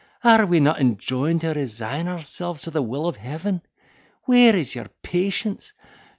Are we not enjoined to resign ourselves to the will of Heaven?—where is your patience?